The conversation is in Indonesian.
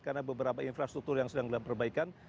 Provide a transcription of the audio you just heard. karena beberapa infrastruktur yang sedang berbaikan